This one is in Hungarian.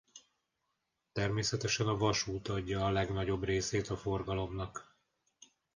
Természetesen a vasút adja a legnagyobb részét a forgalomnak.